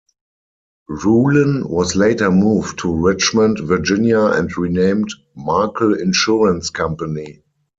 Rhulen was later moved to Richmond, Virginia, and renamed Markel Insurance Company.